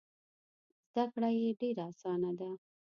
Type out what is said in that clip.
زده کړه یې ډېره اسانه ده.